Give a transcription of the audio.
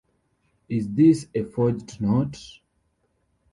Is this a forged note?